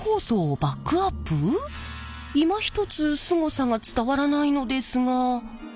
いまひとつすごさが伝わらないのですが。